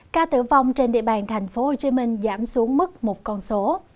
ca tử vong trên địa bàn tp hcm giảm xuống mức một con số